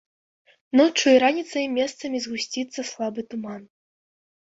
Ноччу і раніцай месцамі згусціцца слабы туман.